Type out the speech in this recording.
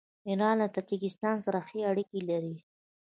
ایران له تاجکستان سره ښې اړیکې لري.